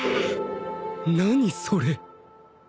何それ